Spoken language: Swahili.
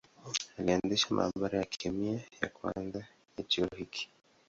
Alianzisha maabara ya kemia ya kwanza ya chuo hiki.